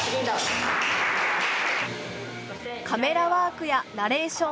カメラワークやナレーション